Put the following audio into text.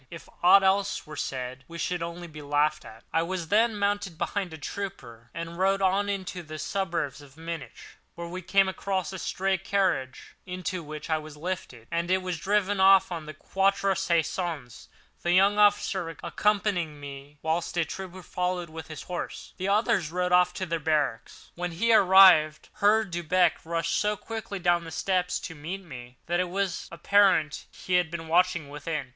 If aught else were said we should only be laughed at." I was then mounted behind a trooper, and we rode on into the suburbs of Munich. Here we came across a stray carriage, into which I was lifted, and it was driven off to the Quatre Saisons—the young officer accompanying me, whilst a trooper followed with his horse, and the others rode off to their barracks. When we arrived, Herr Delbrück rushed so quickly down the steps to meet me, that it was apparent he had been watching within.